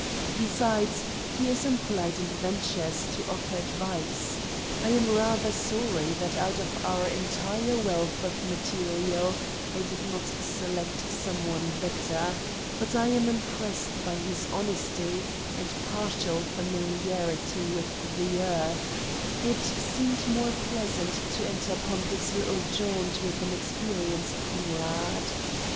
Besides, he is impolite and ventures to offer advice. I am rather sorry that out of our entire wealth of material I did not select some one better, but I was impressed by his honesty and partial familiarity with the earth : it seemed more pleasant to enter upon this little jaunt with an experienced comrade.